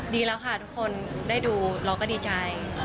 ดีแล้วค่ะทุกคนได้ดูเราก็ดีใจ